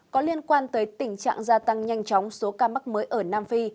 có liên quan tới tình trạng gia tăng nhanh chóng số ca mắc mới ở nam phi